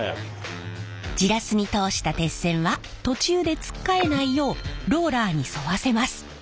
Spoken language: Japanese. ジラスに通した鉄線は途中でつっかえないようローラーに沿わせます。